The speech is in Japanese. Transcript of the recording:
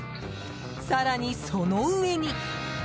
更に、その上に。